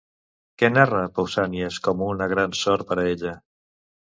Què narra Pausànies com una gran sort per a ella?